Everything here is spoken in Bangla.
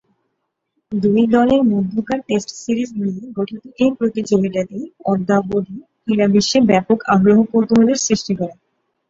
দুই দলের মধ্যকার টেস্ট সিরিজ নিয়ে গঠিত এ প্রতিযোগিতাটি অদ্যাবধি ক্রীড়া বিশ্বে ব্যাপক আগ্রহ-কৌতূহলের সৃষ্টি করে।